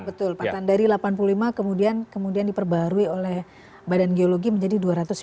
betul patahan dari delapan puluh lima kemudian diperbarui oleh badan geologi menjadi dua ratus sembilan puluh lima